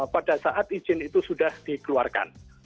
pada saat izin itu sudah dikeluarkan